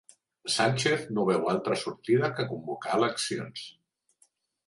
Sánchez no veu altra sortida que convocar eleccions